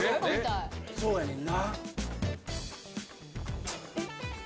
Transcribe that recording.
そうやねんな。